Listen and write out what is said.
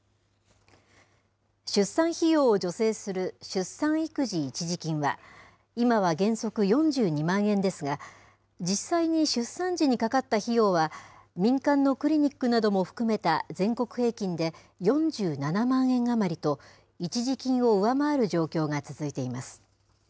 出産費用を助成する出産育児一時金は、今は原則４２万円ですが、実際に出産時にかかった費用は、民間のクリニックなども含めた全国平均で４７万円余りと、一時金を上回る状況が続いています。